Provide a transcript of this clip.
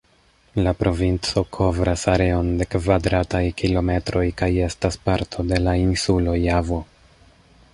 La provinco kovras areon de kvadrataj kilometroj kaj estas parto de la insulo Javo.